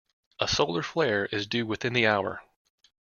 A solar flare is due within the hour.